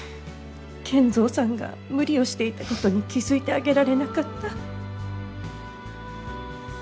賢三さんが無理をしていたことに気付いてあげられなかった。